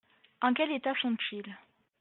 En quel état sont-ils ?